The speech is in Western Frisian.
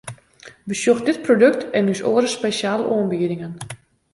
Besjoch dit produkt en ús oare spesjale oanbiedingen!